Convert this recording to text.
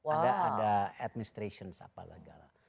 ada administration apa lagi